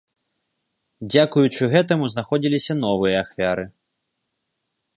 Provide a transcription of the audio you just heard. Дзякуючы гэтаму знаходзіліся новыя ахвяры.